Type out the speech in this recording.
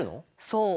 そう。